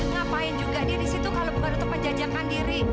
ngapain juga dia di situ kalau bukan untuk menjajakan diri